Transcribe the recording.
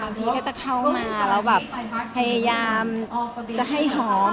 ทีก็จะเข้ามาแล้วแบบพยายามจะให้หอม